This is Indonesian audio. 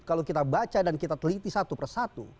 kalau kita baca dan kita teliti satu persatu